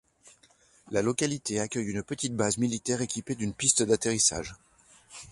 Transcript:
La localité accueille une petite base militaire équipée d'une piste d'atterrissage.